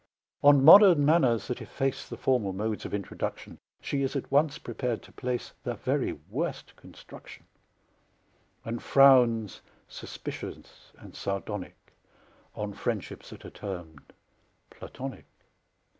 On modern manners that efface The formal modes of introduction She is at once prepared to place The very worst construction, And frowns, suspicious and sardonic, On friendships that are termed Platonic.